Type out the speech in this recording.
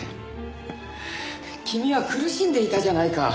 君は苦しんでいたじゃないか。